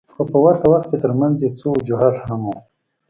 خو په ورته وخت کې ترمنځ یې څو وجوهات هم وو.